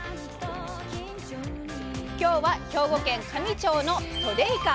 今日は兵庫県香美町のソデイカ。